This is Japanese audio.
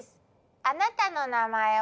あなたの名前は？